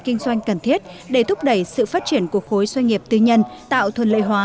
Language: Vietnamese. kinh doanh cần thiết để thúc đẩy sự phát triển của khối doanh nghiệp tư nhân tạo thuận lợi hóa